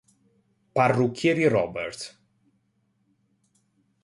Parrucchieri Robert.